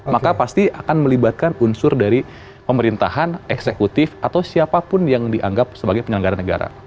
maka pasti akan melibatkan unsur dari pemerintahan eksekutif atau siapapun yang dianggap sebagai penyelenggara negara